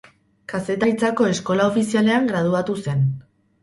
Kazetaritzako Eskola Ofizialean graduatu zen.